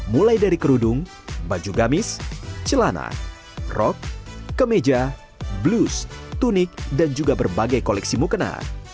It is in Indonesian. mulai dari kerudung baju gamis celana rok kemeja blues tunik dan juga berbagai koleksi mukena